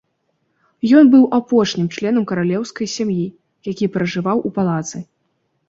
Ён быў апошнім членам каралеўскай сям'і, які пражываў у палацы.